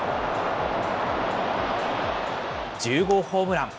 １０号ホームラン。